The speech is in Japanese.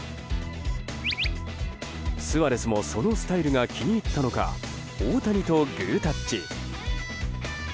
スアレスもそのスタイルが気に入ったのか大谷とグータッチ。